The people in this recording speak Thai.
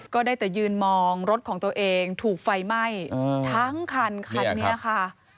ก็ได้แต่ยืนมองรถของตัวเองถูกไฟไหม้ทั้งคันคันนี้ค่ะ